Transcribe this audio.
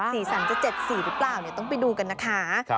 สีสันจะ๗๔หรือเปล่าต้องไปดูกันนะคะ